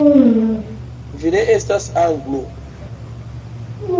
Vi ne estas Anglo!